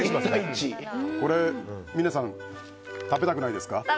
これ、皆さん食べたくないですか？